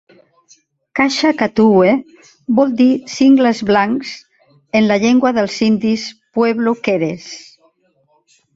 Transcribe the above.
Kasha-Katuwe vol dir "cingles blancs" en la llengua dels indis pueblo keres.